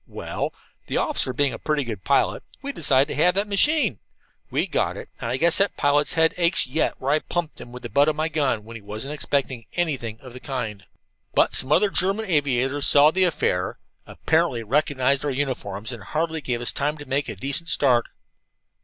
Well, the officer being a pretty good pilot, we decided to have that machine. We got it, and I guess that pilot's head aches yet where I plumped him with the butt of my gun when he wasn't expecting anything of the kind. "But some other German aviators saw the affair, apparently recognized our uniforms, and hardly gave us time to make a decent start.